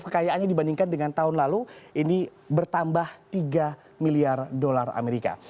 kekayaannya dibandingkan dengan tahun lalu ini bertambah tiga miliar dolar amerika